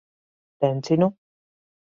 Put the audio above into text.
Tencinu.